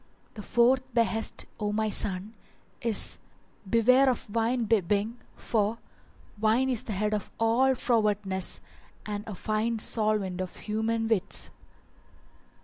The FOURTH BEHEST, O my son, is Beware of wine bibbing, for wine is the head of all frowardness and a fine solvent of human wits.